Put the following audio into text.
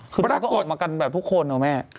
คือก็ออกมากันแบบทุกคนเหรอแม่